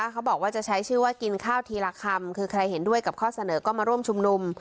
เขาบอกว่าจะใช้ชื่อว่ากินข้าวทีละคำคือใครเห็นด้วยกับข้อเสนอก็มาร่วมชุมนุม